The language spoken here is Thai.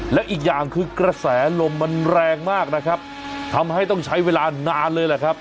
และอีกอย่างคือกระแสลมมันแรงมากนะครับทำให้ต้องใช้เวลานานเลยแหละครับ